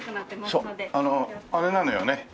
そうあれなのよね。